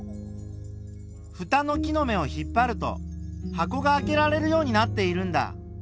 ふたの木の芽を引っ張ると箱があけられるようになっているんだ。